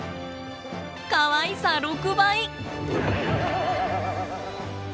かわいさ６倍！